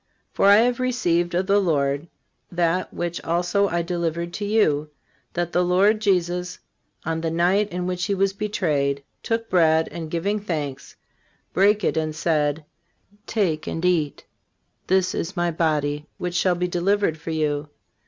For, I have received of the Lord that which also I delivered to you, that the Lord Jesus, on the night in which he was betrayed, took bread, and giving thanks, brake it, and said: Take and eat: this is My body which shall be delivered for you.